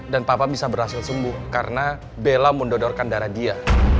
dan papa bisa berhasil sembuh karena bella mendodorkan darah dia